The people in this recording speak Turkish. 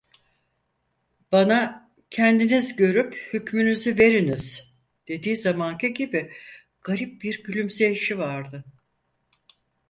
Bana, "Kendiniz görüp hükmünüzü veriniz" dediği zamanki gibi garip bir gülümseyişi vardı.